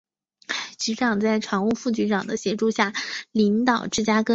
局长在常务副局长的协助下领导芝加哥警察局。